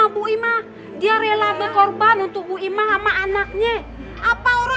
bu aisyah harus kerja